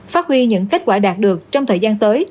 phát huy những kết quả đạt được trong thời gian tới